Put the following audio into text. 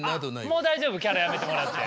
もう大丈夫キャラやめてもらって。